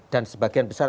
dan sebagian besar